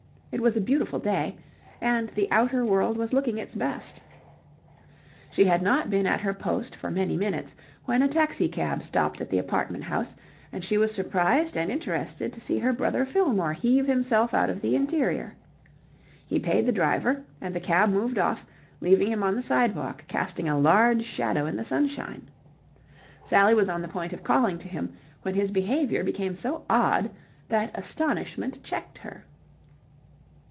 It was a beautiful day, and the outer world was looking its best. She had not been at her post for many minutes when a taxi cab stopped at the apartment house, and she was surprised and interested to see her brother Fillmore heave himself out of the interior. He paid the driver, and the cab moved off, leaving him on the sidewalk casting a large shadow in the sunshine. Sally was on the point of calling to him, when his behaviour became so odd that astonishment checked her.